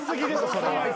それは。